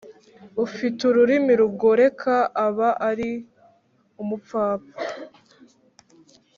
ufite ururimi rugoreka aba ari umupfapfa